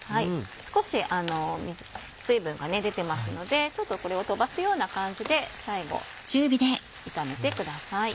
少し水分が出てますのでこれを飛ばすような感じで最後炒めてください。